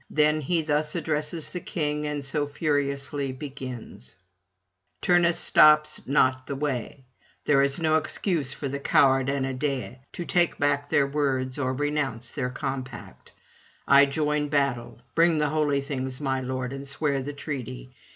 Then he thus addresses the king, and so furiously begins: 'Turnus stops not the way; there is no excuse for the coward Aeneadae to take back their words or renounce their compact. I join battle; bring the holy things, my lord, and swear the treaty.